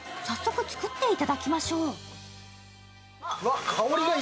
早速作っていただきましょう。